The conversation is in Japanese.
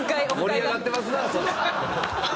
盛り上がってますな！